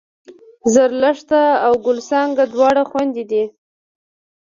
زرلښته او ګل څانګه دواړه خوېندې دي